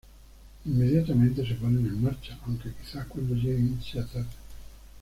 Inmediatamente se ponen en marcha, aunque quizá cuando lleguen sea tarde.